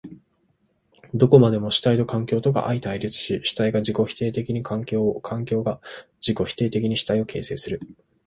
どこまでも主体と環境とが相対立し、主体が自己否定的に環境を、環境が自己否定的に主体を形成する。